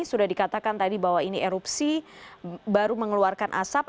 sudah dikatakan tadi bahwa ini erupsi baru mengeluarkan asap